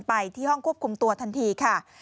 ไปที่ห้องควบคุมตัวทันทีค่ะ